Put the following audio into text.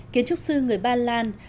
kiến trúc sư người ba lan